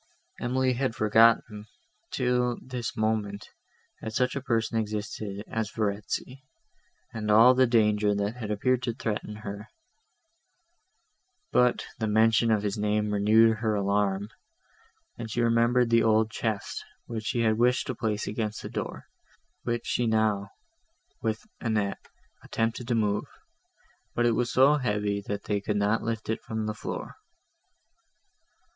Emily had forgotten, till this moment, that such a person existed as Verezzi, and all the danger that had appeared to threaten her; but the mention of his name renewed her alarm, and she remembered the old chest, that she had wished to place against the door, which she now, with Annette, attempted to move, but it was so heavy, that they could not lift it from the floor.